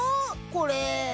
これ。